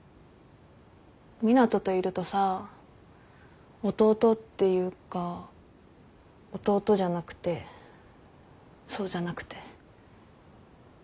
湊斗といるとさ弟っていうか弟じゃなくてそうじゃなくて。